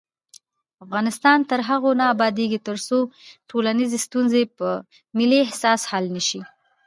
افغانستان تر هغو نه ابادیږي، ترڅو ټولنیزې ستونزې په ملي احساس حل نشي.